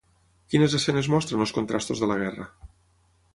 Quines escenes mostren els contrastos de la guerra?